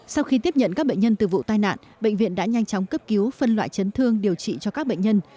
sau khi tiếp nhận các bệnh nhân từ vụ tai nạn bệnh viện đã nhanh chóng cấp cứu phân loại chấn thương điều trị cho các bệnh nhân